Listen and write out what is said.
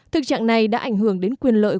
thực trạng này đã ảnh hưởng đến quyền lợi